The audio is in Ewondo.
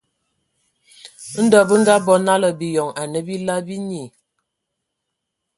Ndɔ bǝ ngabɔ nala biyon anǝ bila binyii.